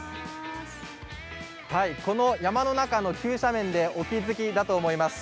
この山の中の急斜面でお気付きだと思います